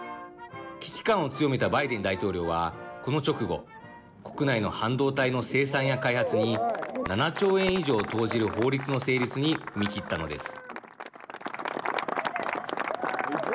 危機感を強めたバイデン大統領は、この直後国内の半導体の生産や開発に７兆円以上を投じる法律の成立に踏み切ったのです。